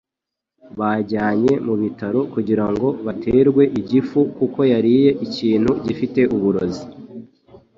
Bajyanye mu bitaro kugira ngo baterwe igifu kuko yariye ikintu gifite uburozi.